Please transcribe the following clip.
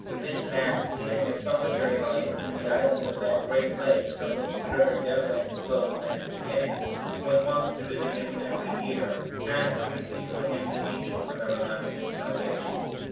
This man leading a solitary life in the island of that great lake from which the river Derwent flows at its beginning,(757) was wont to visit him every year, and to receive from him the teaching of everlasting salvation.